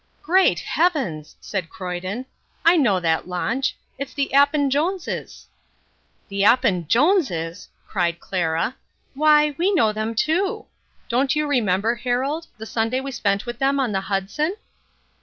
"Great Heavens!" said Croyden. "I know that launch. It's the Appin Joneses'." "The Appin Joneses'!" cried Clara. "Why, we know them too. Don't you remember, Harold, the Sunday we spent with them on the Hudson?"